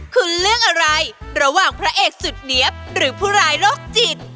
คุณเลือกอะไรระหว่างพระเอกสุดเนี๊ยบหรือผู้ร้ายโรคจิต